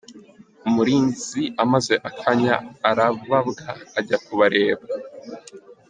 Umurinzi amaze akanya arababwa ajya kubareba.